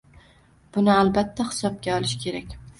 Buni albatta hisobga olish kerak.